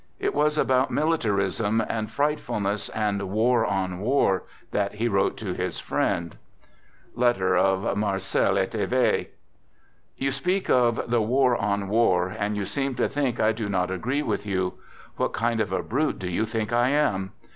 It was about militarism and f rightfulness and " war on war " that he wrote to his friend : You speak of the " war on war," and you seem to think I do not agree with you. What kind of a brute do you think I am